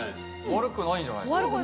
悪くないんじゃないですか？